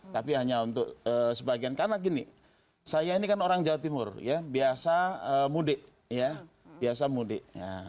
tapi hanya untuk sebagian karena gini saya ini kan orang jawa timur ya biasa mudik ya biasa mudik